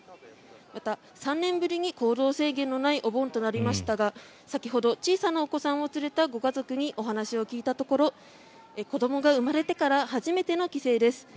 また３年ぶりに行動制限のないお盆となりましたが先ほど小さなお子さんを連れたご家族にお話を聞いたところ子どもが生まれてから初めての帰省です。